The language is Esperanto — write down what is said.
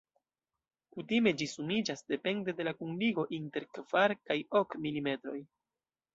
Kutime ĝi sumiĝas depende de la kunligo inter kvar kaj ok milimetroj.